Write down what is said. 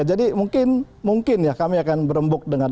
jadi mungkin ya kami akan berembuk dengan